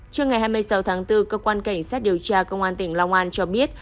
trước ngày hai mươi sáu tháng bốn cơ quan cảnh sát điều tra công an tỉnh long an cho biết